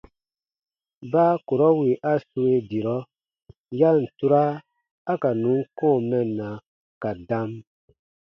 Baa kurɔ wì a sue dirɔ, ya ǹ tura a ka nùn kɔ̃ɔ mɛnna ka dam.